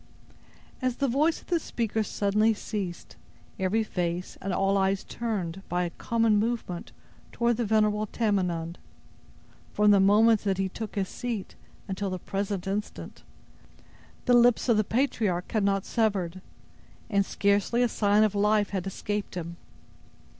As the voice of the speaker suddenly ceased, every face and all eyes turned, by a common movement, toward the venerable Tamenund. From the moment that he took his seat, until the present instant, the lips of the patriarch had not severed, and scarcely a sign of life had escaped him.